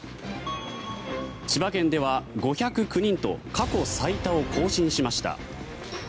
千葉県では５０９人と過去最多を更新しました。